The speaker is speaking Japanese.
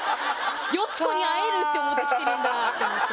よし子に会えるって思って来てるんだと思って。